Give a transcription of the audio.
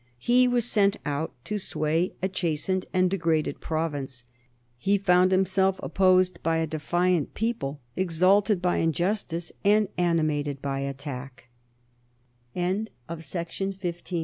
He was sent out to sway a chastened and degraded province; he found himself opposed by a defiant people, exalted by injustice and animated by attack. CHAPTER LIII.